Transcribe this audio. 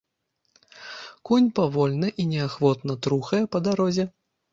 Конь павольна і неахвотна трухае па дарозе.